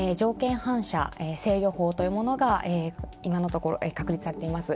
反射制御法というものが今のところ確立されています。